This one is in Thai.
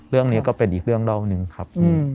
เรื่องนี้ก็เป็นอีกเรื่องเล่าหนึ่งครับ